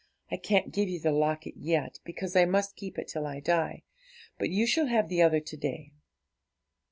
'I can't give you the locket yet, because I must keep it till I die; but you shall have the other to day.'